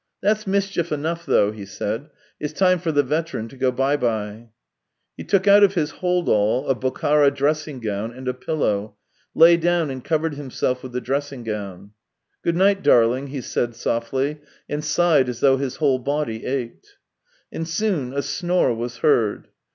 " That's mischief enough, though," he said. " It's time for the veteran to go bye bye." He took out of his hold all a Bokhara dressing gown and a pillow, lay down, and covered himself with the dressing gown. " Good night, darling!" he said softly, and sighed as though his whole body ached. And soon a snore was heard.